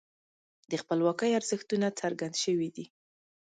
د خپلواکۍ ارزښتونه څرګند شوي دي.